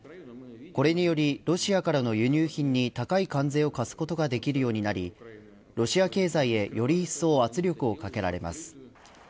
これによりロシアからの輸入品に高い関税を課すことができるようになりロシア経済へ寄り添う圧力をかけられます。